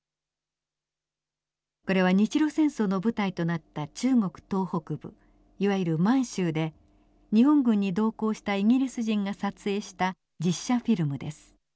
これは日露戦争の舞台となった中国東北部いわゆる満州で日本軍に同行したイギリス人が撮影した実写フィルムです。